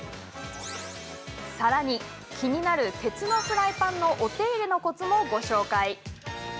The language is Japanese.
さらに気になる鉄のフライパンのお手入れのコツもご紹介。